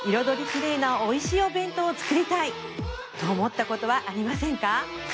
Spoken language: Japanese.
きれいなおいしいお弁当を作りたいと思ったことはありませんか？